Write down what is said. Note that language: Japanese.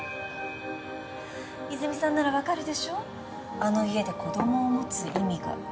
泉さんなら分かるでしょあの家で子供を持つ意味が。